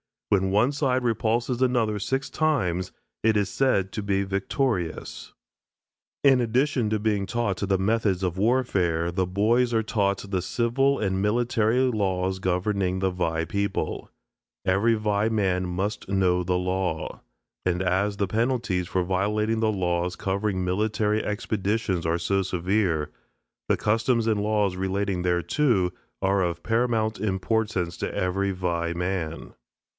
When one side repulses another six times it is said to be victorious. In addition to being taught the methods of warfare, the boys are taught the civil and military laws governing the Vai people. Every Vai man must know the law. And as the penalties for violating the laws covering military expeditions are so severe, the customs and laws relating thereto are of paramount importance to every Vai man.